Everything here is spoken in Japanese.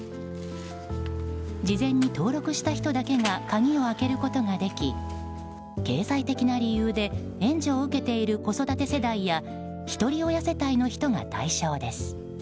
事前に登録した人だけが鍵を開けることができ経済的な理由で援助を受けている子育て世代やひとり親世帯の人が対象です。